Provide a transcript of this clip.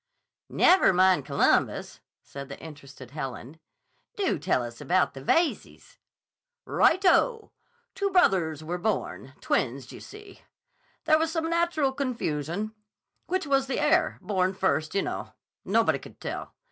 "Never mind Columbus," said the interested Helen. "Do tell us about the Veyzes." "Right o! Two brothers were born—twins, d' you see? There was some natural confusion. Which was the heir—born first, you know? Nobody could tell.